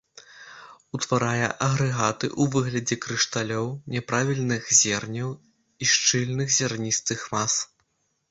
Утварае агрэгаты ў выглядзе крышталёў, няправільных зерняў і шчыльных зярністых мас.